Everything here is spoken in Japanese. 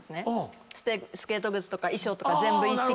スケート靴とか衣装とか全部一式。